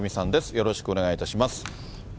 よろしくお願いします。